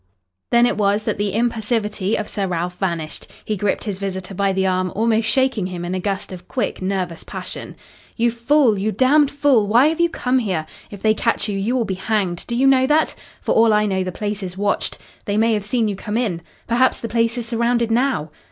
Then it was that the impassivity of Sir Ralph vanished. He gripped his visitor by the arm, almost shaking him in a gust of quick, nervous passion. "You fool you damned fool! Why have you come here? If they catch you, you will be hanged. Do you know that? For all I know the place is watched. They may have seen you come in. Perhaps the place is surrounded now."